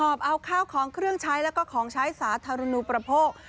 อบเอาข้าวของเครื่องใช้แล้วก็ของใช้สาธารณูประโภค